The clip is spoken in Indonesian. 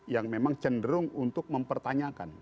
yang memang cenderung untuk mempertanyakan